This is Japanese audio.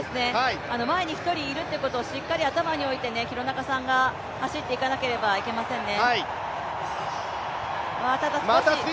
前に１人いるということをしっかり頭に置いて廣中さんが走っていかなければなりませんね。